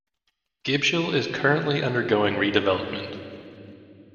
Gibshill is currently undergoing redevelopment.